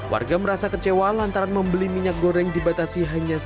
warga merasa kecewa lantaran membeli minyak goreng dibatasi hanya satu